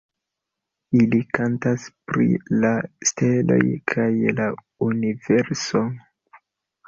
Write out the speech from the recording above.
Ili kantas pri la steloj kaj la universo.